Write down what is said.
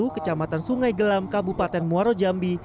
kecamatan sungai gelam kabupaten muaro jambi